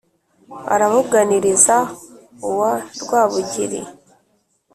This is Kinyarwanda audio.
arabúganiriza uwa rwábugiri